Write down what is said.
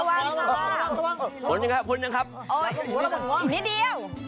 เก่งจั๊งเลย